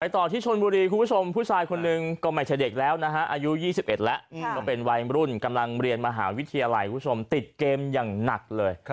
ต่อที่ชนบุรีคุณผู้ชมผู้ชายคนหนึ่งก็ไม่ใช่เด็กแล้วนะฮะอายุ๒๑แล้วก็เป็นวัยรุ่นกำลังเรียนมหาวิทยาลัยคุณผู้ชมติดเกมอย่างหนักเลย